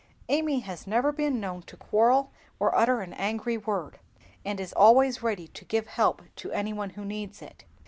Amy has never been known to quarrel or utter an angry word, and is always ready to give help to any one who needs it.